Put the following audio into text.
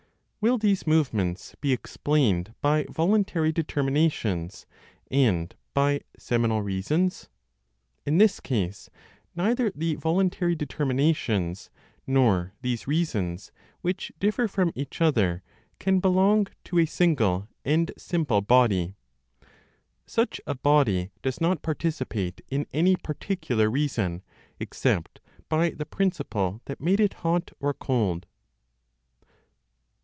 Will these movements be explained by voluntary determinations, and by (seminal) reasons? In this case neither the voluntary determinations, nor these reasons, which differ from each other, can belong to a single and simple body; such a body does not participate in any particular reason except by the principle that made it hot or cold.